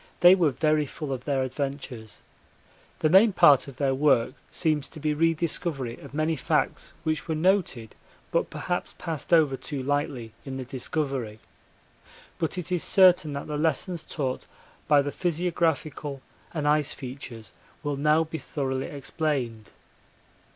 They were very full of their adventures. The main part of their work seems to be rediscovery of many facts which were noted but perhaps passed over too lightly in the Discovery but it is certain that the lessons taught by the physiographical and ice features will now be thoroughly explained.